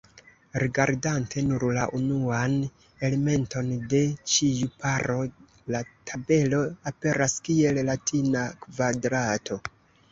Rigardante nur la unuan elementon de ĉiu paro, la tabelo aperas kiel latina kvadrato.